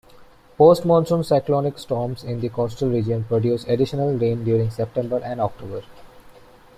Post-monsoon cyclonic storms in the coastal region produce additional rain during September and October.